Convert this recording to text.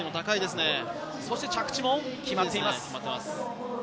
着地も決まっています。